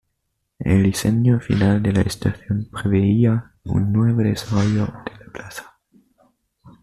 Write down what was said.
El diseño final de la estación preveía un nuevo desarrollo de la plaza.